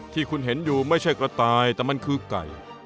ที่คุณเห็นอยู่ไม่ใช่กระต่ายแต่มันคือไก่